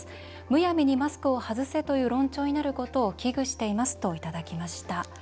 むやみにマスクをはずせという論調になることを危惧していますといただきました。